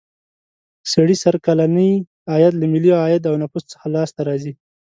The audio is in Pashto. سړي سر کلنی عاید له ملي عاید او نفوسو څخه لاس ته راځي.